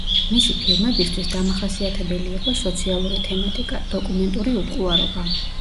მისი ფილმებისთვის დამახასიათებელი იყო სოციალური თემატიკა, დოკუმენტური უტყუარობა.